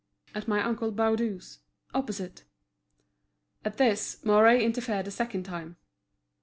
"At my uncle Baudu's, opposite." At this, Mouret interfered a second time.